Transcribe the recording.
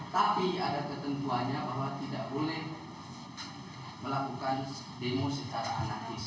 tapi ada ketentuannya bahwa tidak boleh melakukan demo secara analisis